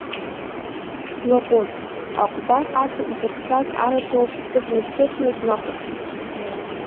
Длаҟәын, аҟәбар аҵа иҭаԥсаз арацәа уаԥсҵәык нышьҭыхны днахәаԥшит.